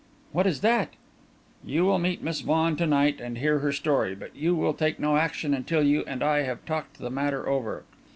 "What is that?" "You will meet Miss Vaughan to night and hear her story, but you will take no action until you and I have talked the matter over.